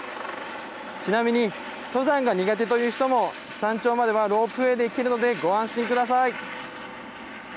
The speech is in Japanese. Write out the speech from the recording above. ちなみに登山が苦手という人も山頂まではロープウエーで行けるので、ご安心ください。